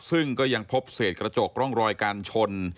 ซึ่งก็ยังพบเศษกระจกร่องรอยการชน